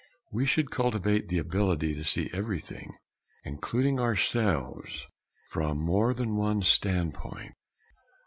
We should cultivate the ability to see everything, including ourselves, from more than one standpoint.